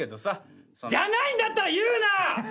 じゃないんだったら言うな！